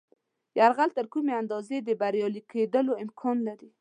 یرغل تر کومې اندازې د بریالي کېدلو امکان لري.